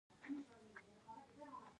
زه د سولي ملاتړی یم.